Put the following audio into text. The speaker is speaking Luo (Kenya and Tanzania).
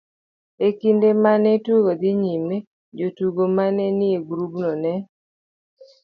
e kinde ma ne tugo dhi nyime, jotugo ma ne ni e grubno ne